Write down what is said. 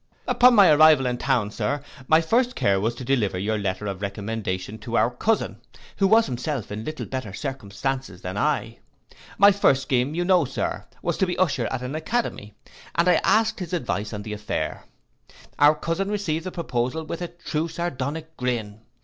'Upon my arrival in town, Sir, my first care was to deliver your letter of recommendation to our cousin, who was himself in little better circumstances than I. My first scheme, you know, Sir, was to be usher at an academy, and I asked his advice on the affair. Our cousin received the proposal with a true Sardonic grin.